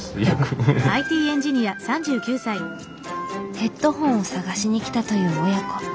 ヘッドホンを探しにきたという親子。